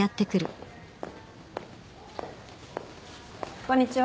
こんにちは。